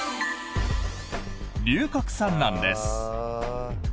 龍角散なんです。